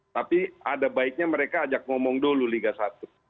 tapi ada baiknya mereka ajak ngomong dulu liga satu